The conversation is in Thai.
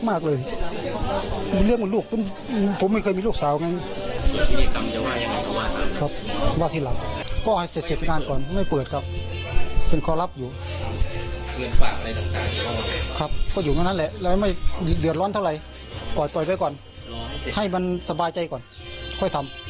ก็อยู่ตรงนั้นแหละแล้วไม่เดือดร้อนเท่าไหร่ปล่อยไปก่อนให้มันสบายใจก่อนค่อยทำ